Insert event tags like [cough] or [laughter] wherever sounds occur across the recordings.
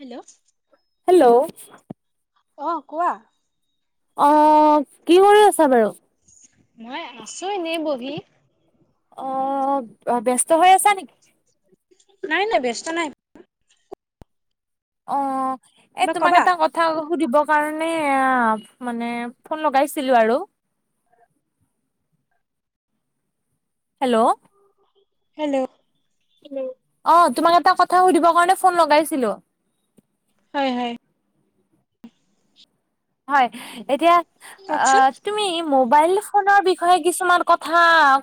Hello hello অ কোৱা? অ কি কৰি আছা বাৰু? মই আছোঁ এনেই বহি। অ ব্যস্ত হৈ আছা নেকি? নাই নাই ব্যস্ত নাই। অ এ কিবা তোমাক কবা এটা কথা সুধিবৰ কাৰণে মানে এ আ মানে ফোন লগাইছিলোঁ আৰু হেল্লৌ' হেল্লৌ' অ তোমাক এটা কথা সুধিবৰ কাৰণে ফোন লগাইছিলোঁ? হয় হয় হয় এতিয়া অ কওকচোন তুমি মোবাইল ফোনৰ বিষয়ে কিছুমান কথা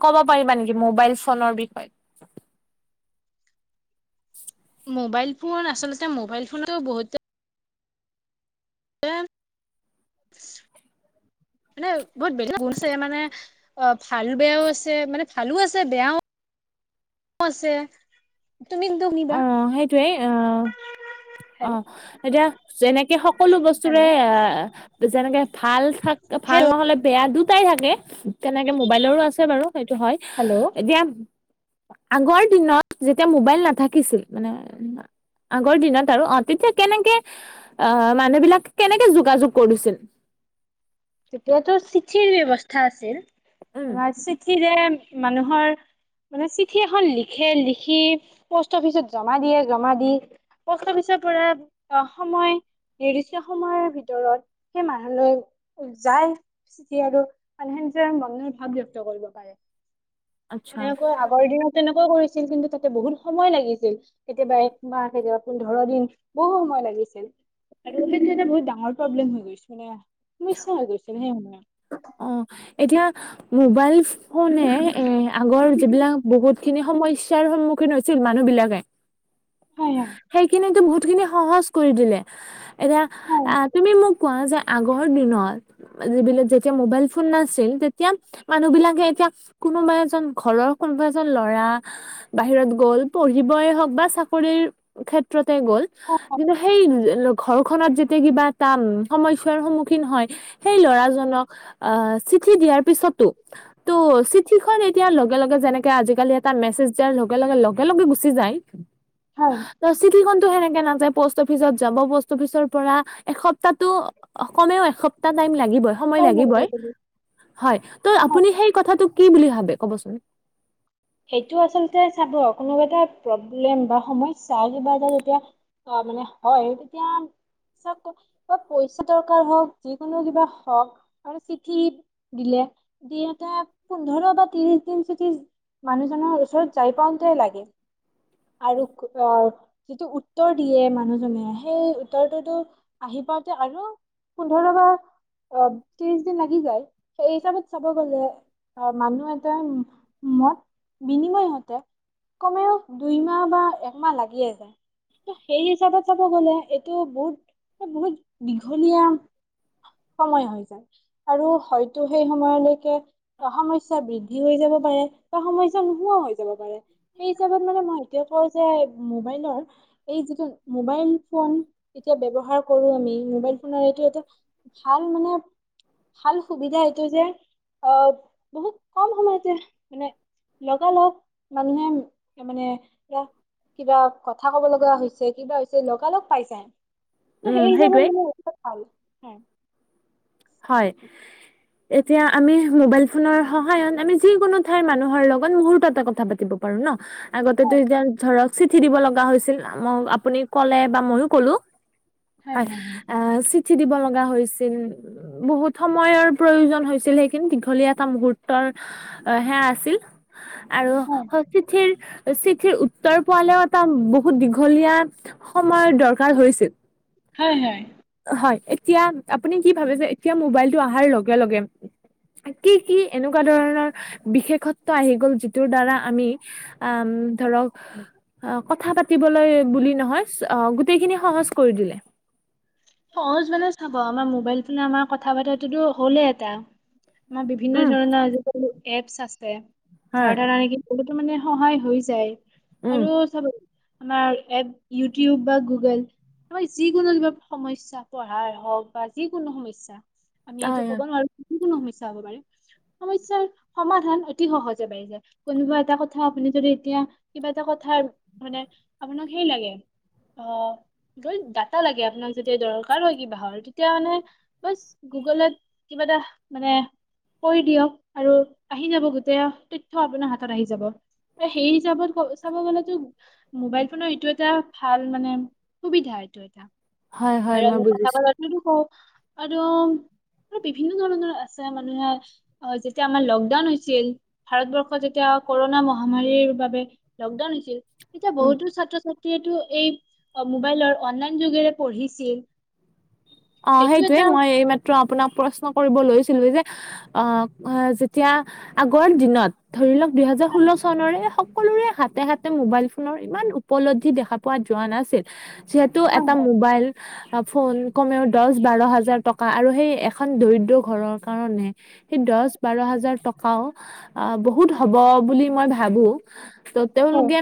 ক'ব পাৰিবা নেকি মোবাইল ফোনৰ বিষয়ে? [inaudible] মোবাইল ফোন আচলতে মোবাইল ফোনতো বহুত [unintelligible] [unintelligible] মানে বহুত বেলেগ গুণ আছে মানে অ ভাল বেয়াও আছে মানে ভালো আছে বেয়াও আছে। তুমি [unintelligible] সেইটোয়েই অ অ হেল্ল' এতিয়া যেনেকে হক সকলো বস্তুৰে হেল্ল' যেনেকে ভাল থাক ভাল হেল্ল' নহ'লে বেয়া দুটাই থাকে। তেনেকে মোবাইলৰো আছে বাৰু সেইটো হয়। হেল্ল' এতিয়া আগৰ দিনত যেতিয়া মোবাইল নাথাকিছিল মানে আগৰ দিনত আৰু অ তেতিয়া কেনেকে অ মানুহ বিলাক কেনেকে যোগাযোগ কৰিছিল? তেতিয়াতো চিঠিৰ ব্যৱস্থা আছিল, উম বা চিঠিৰে মানুহৰ মানে চিঠি এখন লিখে লিখি প'ষ্ট অফিচত জমা দিয়ে, জমা দি প'ষ্ট অফিচৰ পৰা সময় নিৰ্দিষ্ট সময়ৰ ভিতৰত সেই মানুহলৈ যায় চিঠি আৰু মানুহে নিজৰ মনৰ ভাৱ ব্যক্ত কৰিব পাৰে। আচ্ছা তেনেকৈ আগৰ দিনত তেনেকৈয়ে কৰিছিল কিন্তু তাতে বহুত সময় লাগিছিল। কেতিয়াবা একমাহ কেতিয়াবা পোন্ধৰ দিন বহু সময় লাগিছিল। আৰু সেইটো এটা বহুত ডাঙৰ প্ৰব্লেম হৈ গৈছে মানে সমস্যা হৈ গৈছিল সেই সময়ত। অ, এতিয়া মোবাইল ফোনে এ আগৰ যিবিলাক বহুত খিনি সমস্যাৰ সন্মুখীন হৈছিল মানুহ বিলাকে। হয় হয়। সেইখিনিতো বহুত খিনি সহজ কৰি দিলে। এতিয়া আহ তুমি মোক কোৱা যে আগৰ দিনত যিবিলা যেতিয়া মোবাইল ফোন নাছিল তেতিয়া মানুহবিলাকে এতিয়া কোনোবা এজন ঘৰৰ কোনোবা এজন ল'ৰা বাহিৰত গ'ল পঢ়িবই হওঁক বা চা কৰিৰ ক্ষেত্ৰতে গ'ল কিন্তু সেই ঘৰখনত যেতিয়া কিবা এটা সমস্যাৰ সন্মুখীন হয় সেই ল'ৰাজনক অ', চিঠি দিয়াৰ পিছতো ত' চিঠিখন এতিয়া লগে লগে যেনেকে আজাকালি এটা মেচেজ দিয়া লগে লগে লগে লগে গুচি যায়। হয়। ত' চিটিখনটো সেনেকে নাযায় পষ্ট অফিচত যাব পষ্ট অফিচৰ পৰা এসপ্তাহটো অ', কমেও এসপ্তাহ টাইম লাগিবই। সময় লাগিবই, হয় হয় হয় ত' আপুনি সেই কথাটো কি বুলি ভাবে ক'বচোন? সেইটো আচলতে চাব কোনোবা এটা প্ৰব্লেম বা সমস্যা কিবা এটা যেতিয়া অ', মানে হয় তেতিয়া চাওঁক আক বা পইচা দৰকাৰ হওঁক যিকোনো কিবা হওঁক আৰু মানে চিঠি দিলে, দিয়াতে পোন্ধৰ বা ত্ৰিশ দিন যদি মানুহজনৰ ওচৰত যাই পাওঁতেই লাগে আৰু অহ যিটো উত্তৰ দিয়ে মানুহজনে সেই উত্তৰটোতো আহি পাওঁতে আৰু পোন্ধৰ বাৰ অ'। ত্ৰিশ দিন লাগি যায় সেই হিচাপত চাব গ'লে অহ, মানুহ এটাই মদ বিনিময় হওঁতে কমেও দুইমাহ বা একমাহ লাগিয়ে যায়। ত' সেই হিচাপত চাব গ'লে এইটো বহুত বহুত দীঘলীয়া সময় হৈ যায় আৰু হয় টো সেই সময়লৈকে সমস্যা বৃদ্ধি হৈ যাব পাৰে বা সমস্যা নোহোৱা হৈ যাব পাৰে সেই হিচাপত মানে মই এতিয়া কওঁ যে মোবাইলৰ এই যিটো মোবাইল ফোন এতিয়া ব্যৱহাৰ কৰো আমি মোবাইল ফোনৰ এইটো এটা ভাল মানে, ভাল সুবিধা এইটো যে অ', বহুত কম সময়তে মানে লগালগ মানুহে মানে এ, কিবা কথা ক'ব লগা হৈছ ছে কিবা হৈছে লগালগ পাই যায় উম সেই হিচাপত সেইটোৱে মানে [unintelligible] ভাল। হয়। এতিয়া আমি মোবাইল ফোনৰ সহায়ত আমি যিকোনো ঠাইৰ মানুহৰ লগত মুহুৰ্ততে কথা পাতিব পাৰো ন'। আগতেটো এতিয়া ধৰক চিঠি দিব লগা হৈছিল মই আপুনি ক'লে বা ময়ো ক'লো। হয়, অ', চিঠি দিব লগা হৈছিল। বহুত সময়ৰ প্ৰয়োজন হৈছিল সেইখিন দীঘলীয়া এটা মুহুৰ্তৰ অ', সেয়া আছিল। আৰু হয় চিঠিৰ চিঠিৰ উত্তৰ পোৱালেও এটা বহুত দীঘলীয়া সময়ৰ দৰকাৰ হৈছিল। হয়, হয়। হয়, এতিয়া আপুনি কি ভাবিছে এতিয়া মোবাইলটো অহাৰ লগে লগে কি কি এনেকুৱা ধৰণৰ বিশেষত্ব আহি গ'ল যিটোৰ দ্বাৰা আমি আম ধৰক অ', কথা পাতিবলৈ বুলি নহয় অ', গোটেইখিনি সহজ কৰি দিলে। সহজ মানে চাব আমাৰ মোবাইল ফোনে আমাৰ কথা বতৰাটোতো হ'লেই এটা। আমাৰ বিভিন্ন উম ধৰণৰ আজিকালি এপছ আছে যাৰ হয় ধাৰণে কি তো মানে সহায় হৈ যায় উম আৰু চাব আমাৰ এপ ইউটিউব বা গুগল আমাৰ যিকোনো কিবা সমস্যা পঢ়াৰ হওঁক বা যিকোনো সমস্যা আমি এইটো ক'ব নোৱাৰো। যিকোনো সমস্যা হ'ব পাৰে সমস্যাৰ অতি সহজে পাই যায়। কোনোবা এটা কথা আপুনি যদি এতিয়া কিবা এটা কথা মানে আপোনাক সেই লাগে। অ', যদি দাটা লাগে আপোনাক। যেতিয়া দৰকাৰ কিবাহৰ তেতিয়া মানে বাছ গুগলত কিবা এটা মানে কৈ দিয়ক আৰু আহি যাব গোটেই তথ্য আপোনাৰ হাতত আহি যাব। আৰু সেই হিচাপত ক চাব গলেতো মোবাইল ফোনৰ এইটো এটা ভাল মানে সুবিধা এইটো এটা। হয় হয়, আৰু মই আমি কথা বুজিছো। [unintelligible] আৰু আৰু বিভিন্ন ধৰণৰ আছে মানুহে আহ, যেতিয়া আমাৰ লকডাউন হৈছিল। ভাৰতবৰ্ষত যেতিয়া কৰোনা মহামাৰীৰ বাবে লকডাউন হৈছিল। তেতিয়া উম। বহুতো ছাত্ৰ-ছাত্ৰীয়েটো এই মোবাইলৰ অনলাইন যোগেৰে পঢ়িছিল। অ', সেইটো সেইটোয়ে এটা মই এই মাত্ৰ আপোনাক প্ৰশ্ন কৰিব লৈছিলোৱে যে অ', যেতিয়া আগৰ দিনত ধৰি লওক দুইহেজাৰ ষোল্ল চনৰে হওঁক। সকলোৰে হাতে হাতে মোবাইল ফোনৰ ইমান উপলব্ধি দেখা পোৱা যোৱা নাছিল। যিহেতু হয় এটা হয় মোবাইল ফোন কমেও দহ বাৰ হাজাৰ টকা আৰু সেই এখন দৰিদ্ৰ ঘৰৰ কাৰণে সেই দহ বাৰ হাজাৰ টকাও বহুত হ'ব বুলি মই ভাবো। ত' হয়, তেওঁলোকে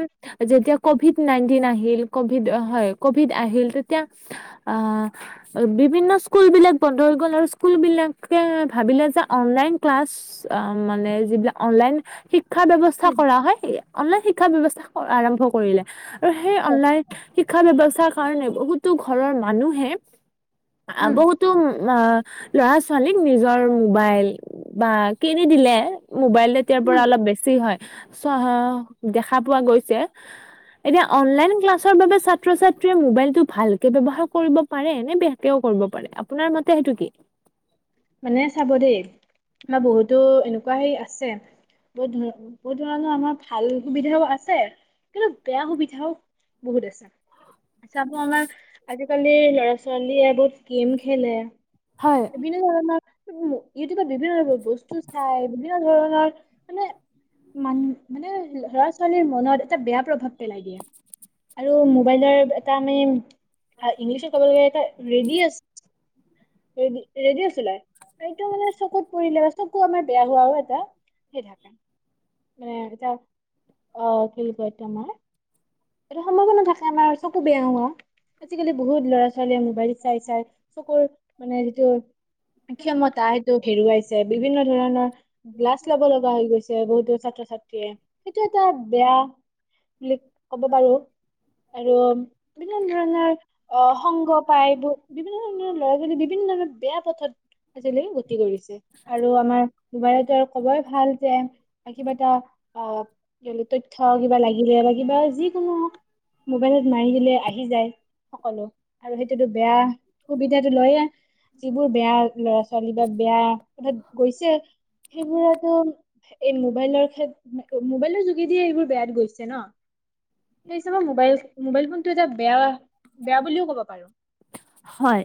যেতিয়া কভিড নাইনটিন আহিল কভিড হয়, কভিড আহিল তেতিয়া আহ বিভিন্ন স্কুল বিলাক বন্ধ হৈ গ'ল আৰু স্কুল বিলাকে ভাবিলে যে অনলাইন ক্লাছ মানে যিলাক অনলাইন শি শিক্ষা ব্যৱস্থা উম, কৰা হয়, অনলাইন শিক্ষাৰ ব্য্ৱস্থা আৰম্ভ কৰিলে আৰু সেই হয়, অনলাইন শিক্ষা ব্যয়ৱস্থাৰ কাৰণে বহুতো ঘৰৰ মানুহে উম, বহুত তো ল'ৰা-ছোৱালীক নিজৰ মোবাইল বা কিনি দিলে। মোবাইল তেতিয়াৰ পৰা উম। অলপ বেছি হয়, চ দেখা পোৱা গৈছে। এতিয়া অনলাইন ক্লাছৰ বাবে ছাত্ৰ-ছাত্ৰীয়ে মোবাইলটো ভালকে ব্যৱহাৰ কৰিব পাৰে নে বেয়াকেও কৰিব পাৰে আপোনাৰ মতে সেইটো কি? মানে চাব দেই আমাৰ বহুতো এনেকুৱা সেই আছে। বহুত ধৰনৰ বহুত ধৰণৰ আমাৰ ভাল সুবিধাও আছে কিন্তু বেয়া সুবিধাও বহুত আছে। চাব আমাৰ আজিকালি ল'ৰা-ছোৱালীয়ে বহুত গেম খেলে। হয়। বিভি ধৰণৰ ইউটিউবত বিভিন্ন ধৰনৰ বস্তু চাই বিভিন্ন ধৰণৰ মানে মান মানে লৰা-ছোৱালীৰ মনত এটা বেয়া প্ৰভাৱ পেলাই দিয়ে। আৰু মোবাইলৰ এটা মানে ইংলিছত ক'ব গ'লে এটা ৰেডিয়েছ ৰেডি ৰেডিয়েছ ওলাই এইটো মানে চকুত পৰিলে চকু আমাৰ বেয়া হোৱাও এটা সেই থাকে। মানে এটা অ', কি কয় এইটো আমাৰ এটা সম্ভাৱনা থাকে আমাৰ চকু বেয়া হোৱা। আজিকালি বহুত ল'ৰা-ছোৱালীয়ে মোবাইল চাই চাই চকুৰ মানে যিটো ক্ষমতা টো হেৰুৱাইছে বিভিন্ন ধৰণৰ গ্লাছ ল'ব লগা হৈ গৈছে বহুতো ছাত্ৰ-ছাত্ৰীয়ে সেইটো এটা বেয়া বুলি ক'ব পাৰো আৰু- বিভিন্ন ধৰণৰ অ সংগ পায়বোৰ বিভিন্ন ধৰণৰ ল'ৰা ছোৱালী বিভিন্ন ধৰণৰ বেয়া- আজিলৈ গতি কৰিছে আৰু আমাৰ দুবাৰেতো আৰু কবই ভাল যে- বা কিবা এটা আহ' তথ্য কিবা লাগিলে বা কিবা যি কোনো- মোবাইলত মাৰি দিলে আহি যায়। সকলো আৰু সেইটোতো বেয়া সুবিধাটো লয়ে। যিবোৰ বেয়া ল'ৰা ছোৱালী বা বেয়া কথাত গৈছে সেইবোৰতো- এই মোবাইলৰ ক্ষেত, মোবাইলৰ যোগেদিয়ে এইবোৰ বেয়াত গৈছে ন। সেই হিচাপত মোবাইল, মোবাইল ফোনটো এটা বেয়া বেয়া বুলিও ক'ব পাৰোঁ। হয়।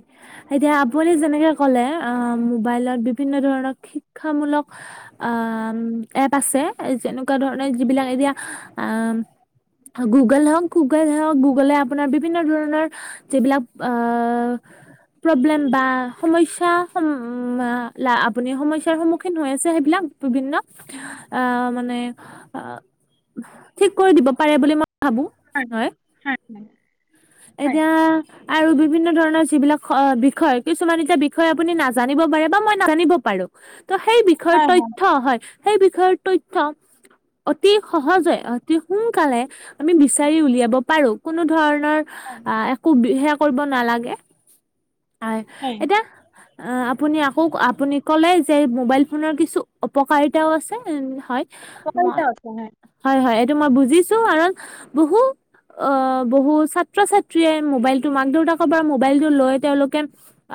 এতিয়া আপুনি যেনেকে ক'লে আহ' মোবাইলত বিভিন্ন ধৰণৰ শিক্ষামূলক- আহ' এপ আছে যেনেকুৱা ধৰণে যিবিলাক এতিয়া আম- গুগল হওঁক গুগল হওক, গুগলে আপোনাৰ বিভিন্ন ধৰণৰ যিবিলাক- আহ'- প্ৰব্লেম বা সমস্যা আপুনি সমস্যাৰ সন্মুখীন হৈ আছে সেইবিলাক- বিভিন্ন আহ' মানে- ঠিক কৰি দিব পাৰে বুলি মই ভাবোঁ। হয় হয়। এতিয়া- আৰু বিভিন্ন ধৰণৰ যিবিলাক অঁ' বিষয় কিছুমান এতিয়া বিষয় আপুনি নাজানিব পাৰে বা মই নাজানিব পাৰোঁ। ত' সেই বিষয়ৰ হয় তথ্য হয়, সেই বিষয়ৰ তথ্য- অতি সহজে অতি সোনকালে আমি বিচাৰি উলিয়াব পাৰোঁ। কোনো ধৰণৰ আহ' একো বিশেষ কৰিব নালাগে, হয়, এতিয়া- অঁ' আপুনি আকৌ আপুনি ক'লেই যে মোবাইল ফোনৰ কিছু অপকাৰিতাও আছে, হয়। উপকাৰিতা মই আছে হয় হয়, এইটো মই বুজিছো কাৰণ বহু অ' বহু ছা ছাত্ৰ-ছাত্ৰীয়ে মোবাইলটো মাক দেউতাকৰ পৰা মোবাইলটো লৈ তেওঁলোকে-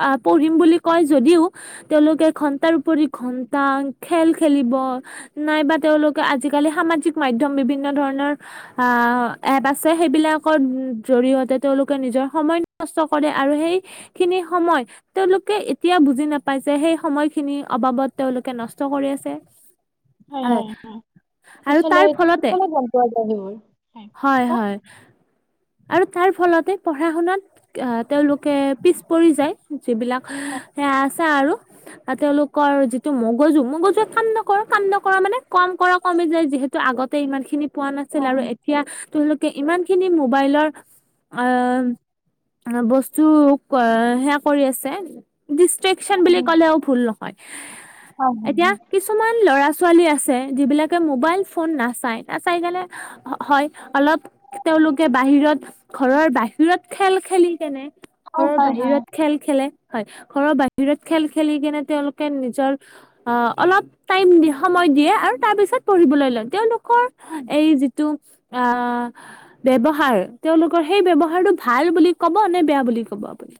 আহ' পঢ়িম বুলি কয় যদিও- তেওঁলোকে ঘন্টাৰ উপৰি ঘন্টা খেল খেলিব- নাইবা তেওঁলোকে আজিকালি সামাজিক মাধ্যম বিভিন্ন ধৰণৰ- আহ' এপ আছে সেইবিলাকত- জৰিয়তে তেওঁলোকে নিজৰ সময় নষ্ট কৰে আৰু সেইখিনি সময়- তেওঁলোকে এতিয়া বুজি নাপাই যে সেই সময়খিনিৰ অবাবত তেওঁলোকে নষ্ট কৰি আছে। হয় আৰু তাৰ ফলতে- পইন্ট আহিবই। হয় হয় আৰু তাৰ ফলতে পঢ়া শুনাত- আহ' তেওঁলোকে পিছ পৰি যায় যিবিলাক সেয়া আছে আৰু। বা তেওঁলোকৰ যিটো মগজু, মগজুৱে কাম নকৰে কাম নকৰা মানে কাম কৰা কমি যায় যিহেতু- আগতে ইমান খিনি পোৱা নাছিল হয় আৰু এ হয় তিয়া তেওঁলোকে ইমান খিনি মোবাইলৰ আহ' বস্তু হেয়া কৰি আছে। ডিষ্ট্ৰেকচন বুলি ক'লেও ভুল নহয়। হয় এতিয়া কি কিছুমান ল'ৰা ছোৱালী আছে যিবিলাকে মোবাইল ফোন নাচায়, নাচাই কেনে- হয়, অলপ তেওঁলোকে বাহিৰত ঘৰৰ বাহিৰত খেল খেলি কেনে- ঘৰৰ হয় হয় হয় বাহিৰত খেল খেলে, হয়। ঘৰৰ বাহিৰত খেল খেলি কেনে তেওঁলোকে নিজৰ- অ অলপ টাইম সময় দিয়ে আৰু তাৰ পিছত পঢ়িবলৈ লয় তেওঁলোক কৰ হয় এই যিটো আ ব্যৱহাৰ তেওঁলোকৰ সেই ব্যৱহাৰটো ভাল বুলি ক'ব নে বেয়া বুলি ক'ব আপুনি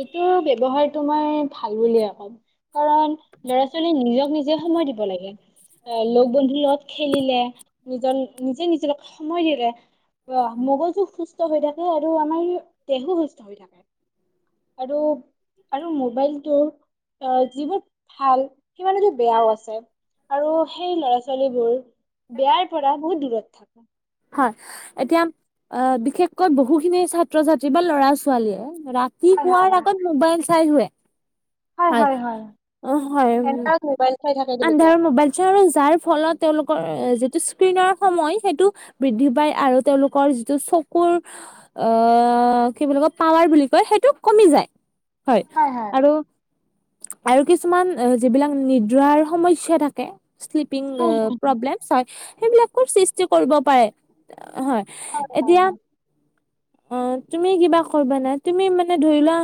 এইটো ব্যৱহাৰটো মই ভাল বুলিয়ে কম কাৰণ ল'ৰা ছোৱালীয়ে নিজক নিজে সময় দিব লাগে এ লগ বন্ধুৰ লগত খেলিলে নিজৰ নিজে নিজৰক সময় দিলে অ মগজু সুস্থ হৈ থাকে আৰু আমাৰ দেহো সুস্থ হৈ থাকে আৰু আৰু মোবাইলটোৰ অ যিবোৰ ভাল সিমানোটো বেয়াও আছে আৰু সেই ল'ৰা ছোৱালীবোৰ বেয়াৰ পৰা বহুত দূৰত হয় এতিয়া আ বিশেষকৈ বহুখিনি ছাত্ৰ ছাত্ৰী বা ল'ৰা ছোৱালীয়ে ৰা সি শুৱাৰ হয় আগত মোবাইল চাই শুৱে হয় অ হয় এন্ধাৰত মোবাইল চাই থাকে তেওঁলোকে অন্ধাৰত মবাইল চৌ যাৰ ফলত তেওঁলোকৰ যিটো স্ক্ৰীনৰ সময় সেইটো বৃদ্ধি পায় আৰু তেওঁলোকৰ যিটো চকুৰ অ কি বুলি কয় পাৱাৰ বুলি কয় সেইটো কমি যায় হয় হয় হয় আৰু আৰু কিছুমান যিবিলাক নিদ্ৰাৰ সমস্যা থাকে শ্লিপ পিং হয় প্ৰবলেম হয় সেইবিলাকৰ সৃষ্টি কৰিব পাৰে হয় এতিয়া অ তুমি কিবা কৰিবা না তুমি মানে ধৰি লোৱা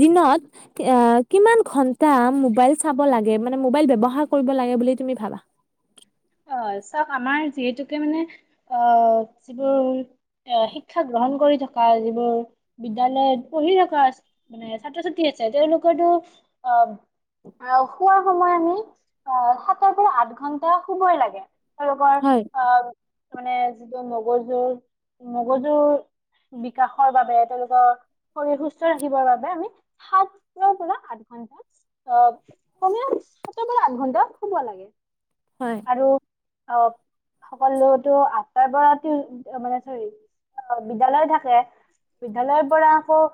দিনত কি আ কিমান ঘন্টা মোবাইল চাব লাগে মানে মোবাইল ব্যৱহাৰ কৰিব লাগে বুলি তুমি ভাবা অ চাওক আমাৰ যিহেতুকে মানে অ যিবোৰ এ শিক্ষা গ্ৰহণ কৰি থকা যিবোৰ বিদ্যালয়ত পঢ়ি থকা আছ মানে ছাত্ৰ ছাত্ৰী আছে তেওঁলোকৰটো অব আহ শুৱা সময় আহি সাতৰ পৰা আঠ ঘন্টা শুবয়ে লাগে তেওলোকৰ হয়। আব মানে যিটো মগজুৰ মগজুৰ বিকাশৰ বাবে তেওঁলোকৰ শৰীৰ সুস্থ ৰাখিবৰ বাবে আমি সাতটাৰ পৰা আঠ ঘণ্টা অ কমেও সাতৰ পৰা আঠ ঘন্টা শুব লাগে হয় আৰু আব সকলোতো আঠটাৰ পৰা মানে চৰি বিদ্যালয় থাকে বিদ্যালয়ৰ পৰা আকৌ